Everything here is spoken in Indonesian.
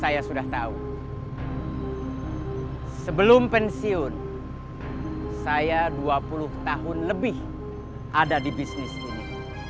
saya sudah tahu sebelum pensiun saya dua puluh tahun lebih ada di bisnis ini